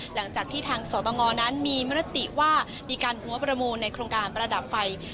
หลังจากที่ทางสตงนั้นมีมติว่ามีการหัวประมูลในโครงการประดับไฟ